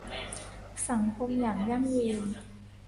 สังคมอย่างยั่งยืน